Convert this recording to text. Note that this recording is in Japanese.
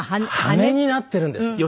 「羽」になっているんですよ。